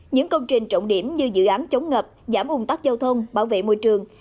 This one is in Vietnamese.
những công trình trọng điểm như dự án chống ngập giảm ung tắc giao thông bảo vệ môi trường